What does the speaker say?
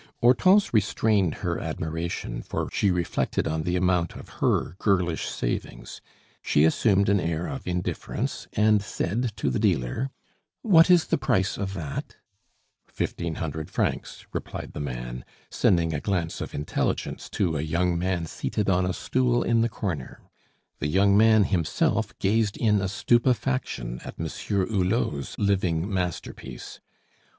Hortense restrained her admiration, for she reflected on the amount of her girlish savings; she assumed an air of indifference, and said to the dealer: "What is the price of that?" "Fifteen hundred francs," replied the man, sending a glance of intelligence to a young man seated on a stool in the corner. The young man himself gazed in a stupefaction at Monsieur Hulot's living masterpiece.